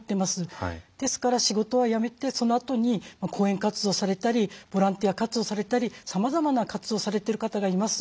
ですから仕事はやめてそのあとに講演活動をされたりボランティア活動をされたりさまざまな活動をされている方がいます。